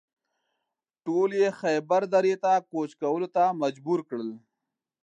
ټول یې خیبر درې ته کوچ کولو ته مجبور کړل.